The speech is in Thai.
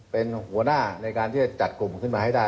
เป็นหัวหน้าในการที่จะจัดกลุ่มขึ้นมาให้ได้